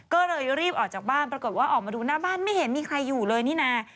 ก็เลยรีบออกจากบ้านปรากฏว่าออกมาดูหน้าบ้านไม่เห็นมีใครอยู่เลยนี่นะ